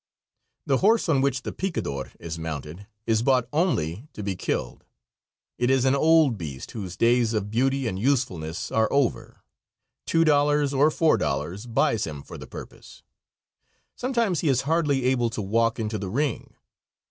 The horse on which the picador is mounted is bought only to be killed. It is an old beast whose days of beauty and usefulness are over; $2 or $4 buys him for the purpose. Sometimes he is hardly able to walk into the ring.